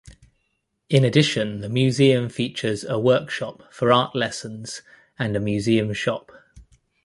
In addition the museum features a workshop for art lessons and a museum shop.